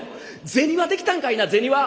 銭はできたんかいな銭は！」。